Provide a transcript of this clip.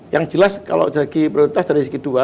yang jelas kalau segi prioritas dari segi dua